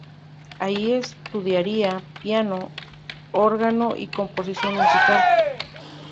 Allí estudiaría piano, órgano y composición musical.